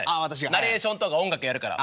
ナレーションとか音楽やるから。